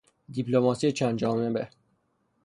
دیپلماسی چند جانبه